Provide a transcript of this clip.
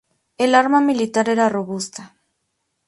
El arma militar era robusta.